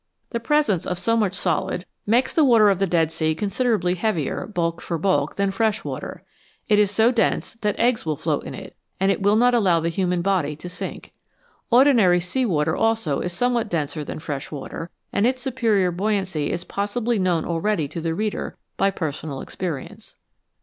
The presence of so much solid makes the 101 NATURAL WATERS water of the Dead Sea considerably heavier, bulk for bulk, than fresh water ; it is so dense that eggs will float in it, and it will not allow the human body to sink. Ordinary sea water also is somewhat denser than fresh water, and its superior buoyancy is possibly known already to the reader by personal experience.